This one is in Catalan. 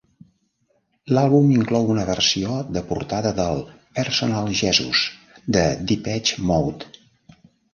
L'àlbum inclou una versió de portada del "Personal Jesus" de Depeche Mode.